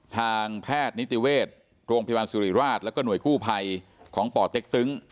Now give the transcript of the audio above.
ทางแพทย์นิติเวชโรงพยาบาลสุริราชแล้วก็หน่วยกู้ภัยของป่อเต็กตึง